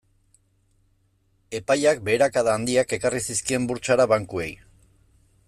Epaiak beherakada handiak ekarri zizkien burtsara bankuei.